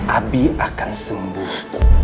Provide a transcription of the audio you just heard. abi akan sembuh